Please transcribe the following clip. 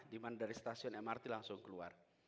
demand dari stasiun mrt langsung keluar